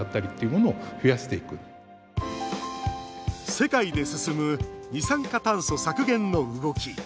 世界で進む二酸化炭素削減の動き。